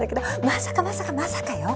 まさかまさかまさかよ？